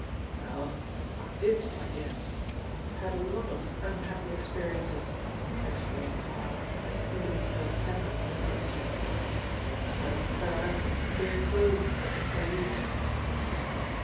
"Well, I did, my dear. I've had a lot of unhappy experiences," explained Marl as he seated himself heavily in an arm chair. "I've had 'em turn up in queer clothes, I can tell you!"